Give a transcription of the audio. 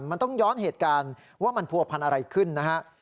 มันต้องย้อนเหตุการณ์ว่ามันผัวพันธุ์อะไรขึ้นนะฮะ